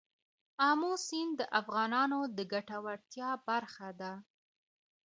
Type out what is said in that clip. آمو سیند د افغانانو د ګټورتیا برخه ده.